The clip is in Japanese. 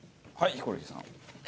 ヒコロヒーさん。